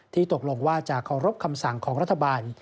ตกลงว่าจะเคารพคำสั่งของรัฐบาล